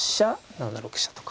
７六飛車とか。